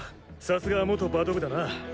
さすが元バド部だな！